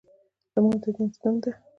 لمونځ د دین ستن ده.